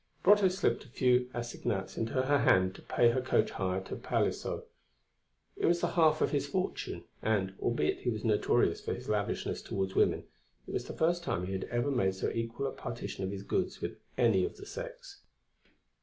Brotteaux slipped a few assignats into her hand to pay her coach hire to Palaiseau. It was the half of his fortune, and, albeit he was notorious for his lavishness towards women, it was the first time he had ever made so equal a partition of his goods with any of the sex.